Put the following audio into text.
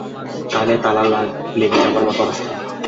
কানে তালা লেগে যাবার মতো অবস্থা!